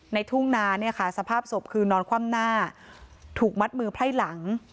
ทุ่งนาเนี่ยค่ะสภาพศพคือนอนคว่ำหน้าถูกมัดมือไพร่หลัง